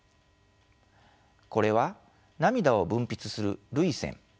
これは涙を分泌する涙腺